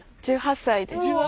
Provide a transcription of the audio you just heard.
１８歳です。